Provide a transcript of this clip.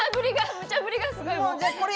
むちゃ振りがすごい。